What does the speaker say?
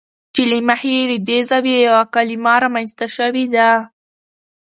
چې له مخې یې له دې زاویې یوه کلمه رامنځته شوې ده.